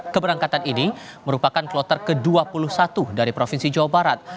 keberangkatan ini merupakan kloter ke dua puluh satu dari provinsi jawa barat